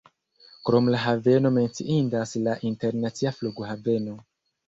Krom la haveno menciindas la internacia flughaveno.